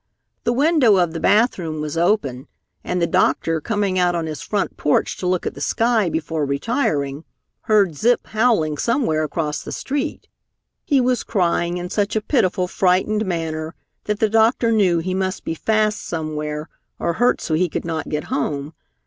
The window of the bathroom was open and the doctor, coming out on his front porch to look at the sky before retiring, heard Zip howling somewhere across the street. He was crying in such a pitiful, frightened manner that the doctor knew he must be fast somewhere or hurt so he could not get home.